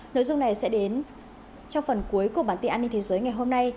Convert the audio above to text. nội dung này sẽ đến trong phần cuối của bản tin an ninh thế giới ngày hôm nay